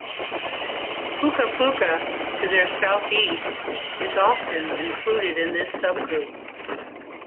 Puka-Puka, to their southeast, is often included in this subgroup.